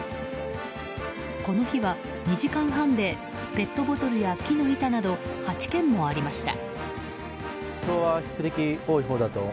この日は２時間半でペットボトルや木の板など８件もありました。